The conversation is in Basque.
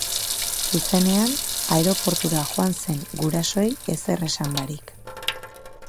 Zuzenean aireportura joan zen, gurasoei ezer esan barik.